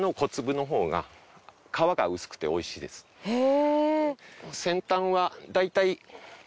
へえ。